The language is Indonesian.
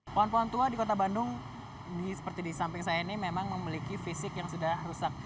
pohon pohon tua di kota bandung seperti di samping saya ini memang memiliki fisik yang sudah rusak